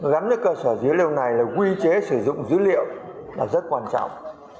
gắn với cơ sở dữ liệu này là quy chế sử dụng dữ liệu là rất quan trọng